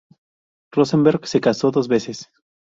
Rosenberg se casó dos veces.